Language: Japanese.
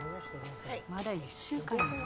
・まだ１週間やろ？